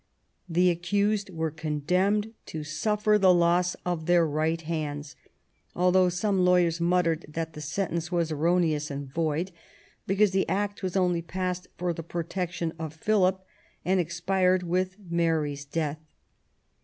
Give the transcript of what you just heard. The accused were condemned to suffer the loss of their right hands, " though some lawyers muttered that 172 QUEEN ELIZABETH. the sentence was erroneous and void, because the Act was only passed for the protection of Philip, and expired with Mary's death.